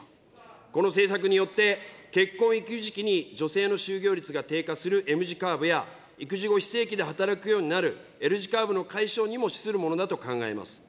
この政策によって、結婚、育児期に女性の就業率が低下するＭ字カーブや、育児後、非正規で働くようになるＬ字カーブの解消にも資するものだと考えます。